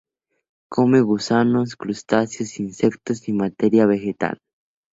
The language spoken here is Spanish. Come gusanos, crustáceos, insectos y materia vegetal.